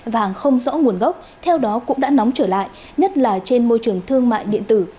vàng không rõ nguồn gốc theo đó cũng đã nóng trở lại nhất là trên môi trường thương mại điện tử